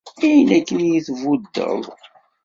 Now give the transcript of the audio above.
Ayen akken i iyi-tbuddeḍ.